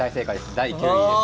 第９位です。